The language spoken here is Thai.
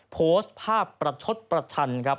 โพสต์ภาพประชดประชันครับ